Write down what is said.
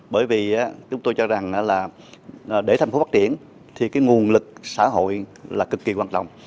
bởi vì chúng tôi cho rằng là để thành phố phát triển thì cái nguồn lực xã hội là cực kỳ quan trọng